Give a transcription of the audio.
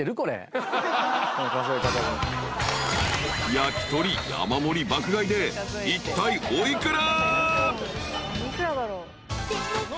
［焼き鳥山盛り爆買いでいったいお幾ら？］